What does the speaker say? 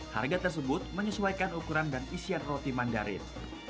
harga tersebut menyesuaikan ukuran dan isian roti mandarin